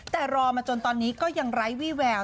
แต่รอมาจนตอนนี้ก็ยังไร้วี่แวว